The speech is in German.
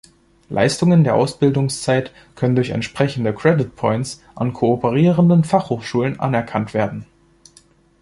Leistungen der Ausbildungszeit können durch entsprechende Credit Points an kooperierenden Fachhochschulen anerkannt werden.